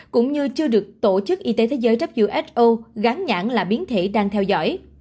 cũng như chưa được tổ chức y tế thế giới trách dự who gán nhãn là biến thể đang theo dõi